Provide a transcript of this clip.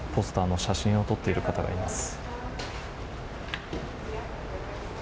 ポスターの写真を撮っている方がいます。